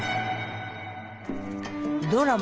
ドラマ